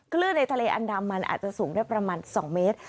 คลื่นในทะเลอันดามันอาจจะสูงได้ประมาณ๒เมตร